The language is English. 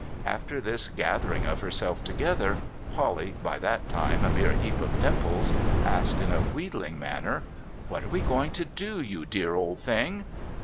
After this gathering of herself together, Polly, by that time a mere heap of dimples, asked in a wheedling manner :' What are we going to do, you dear old thing